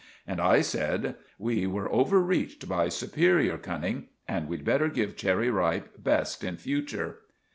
And I said— "We were overreached by superior cunning, and we'd better give Cherry Ripe best in future."